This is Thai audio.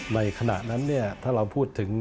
ในขณะนั้นถ้าเราพูดถึง